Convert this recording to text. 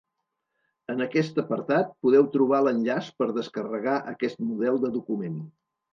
En aquest apartat podeu trobar l'enllaç per descarregar aquest model de document.